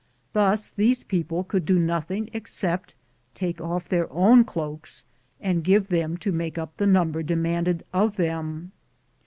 Thus these people could do nothing except take off their own cloaks and give them to make up the number de manded of them.